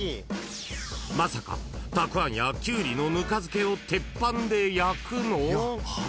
［まさかたくあんやキュウリのぬか漬けを鉄板で焼くの！？］